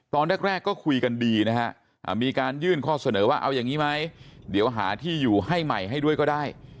ตอนแรกก็คุยกันดีนะฮะมีการยื่นข้อเสนอว่าเอาอย่างนี้ไหมเดี๋ยวหาที่อยู่ให้ใหม่ให้ด้วยก็ได้